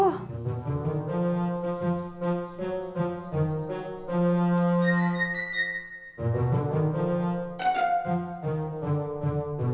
oh seperti itu